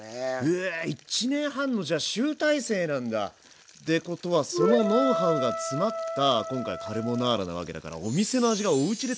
え１年半のじゃあ集大成なんだ！ってことはそのノウハウがつまった今回カルボナーラなわけだからってことだよね。